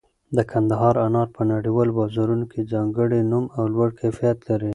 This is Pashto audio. د کندهار انار په نړیوالو بازارونو کې ځانګړی نوم او لوړ کیفیت لري.